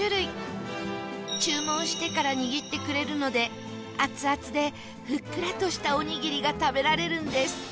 注文してから握ってくれるのでアツアツでふっくらとしたおにぎりが食べられるんです